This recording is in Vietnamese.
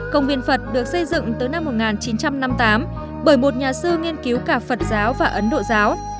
công viên phật được xây dựng từ năm một nghìn chín trăm năm mươi tám bởi một nhà sư nghiên cứu cả phật giáo và ấn độ giáo